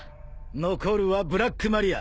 ［残るはブラックマリア］